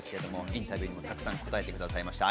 インタビューもたくさん答えてくださいました。